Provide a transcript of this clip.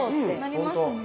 なりますね。